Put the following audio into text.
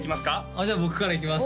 あっじゃあ僕からいきます